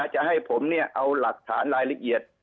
จะให้ผมเอาหลักฐานรายละเอียด